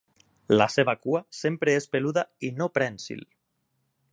La seva cua sempre és peluda i no prènsil.